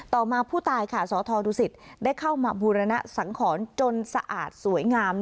ต่อมาผู้ตายค่ะสธดุสิตได้เข้ามาบูรณสังขรจนสะอาดสวยงาม